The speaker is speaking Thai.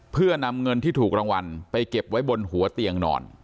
เพื่อนำเงินที่ถูกรางวัลไปเก็บไว้บนหัวเตียงนอน